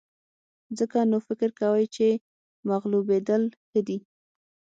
ځکه نو فکر کوئ چې مغلوبېدل ښه دي.